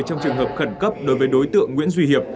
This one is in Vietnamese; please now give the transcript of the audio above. trong trường hợp khẩn cấp đối với đối tượng nguyễn duy hiệp